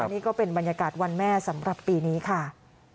นี่ก็เป็นบรรยากาศวันแม่สำหรับปีนี้ค่ะ